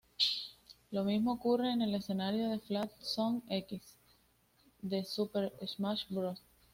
Lo mismo ocurre en el escenario "Flat Zone X" de Super Smash Bros.